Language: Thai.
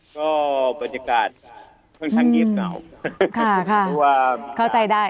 ก็บรรยากาศค่อนข้างเงียบเหงา